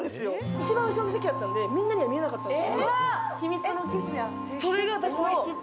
一番後ろの席だったんでみんなには見えなかったんです。